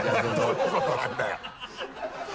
どういうことなんだよ